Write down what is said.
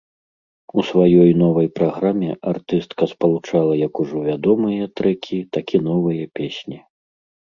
У сваёй новай праграме артыстка спалучала як ужо вядомыя трэкі, так і новыя песні.